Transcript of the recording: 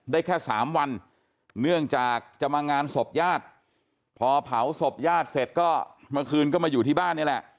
ได้แค่สามวันเนื่องจากจะมางานศพญาติพอเผาศพญาติเสร็จก็เมื่อคืนก็มาอยู่ที่บ้านนี่แหละ